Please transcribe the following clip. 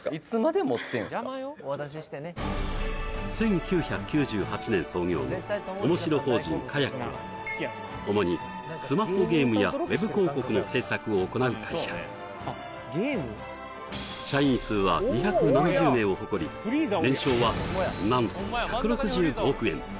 １９９８年創業の面白法人カヤックは主にスマホゲームやウェブ広告の制作を行う会社社員数は２７０名を誇り年商はなんと１６５億円